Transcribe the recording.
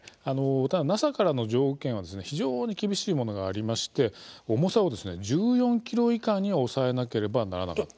ただＮＡＳＡからの条件は非常に厳しいものがありまして重さを１４ｋｇ以下に抑えなければならなかったんです。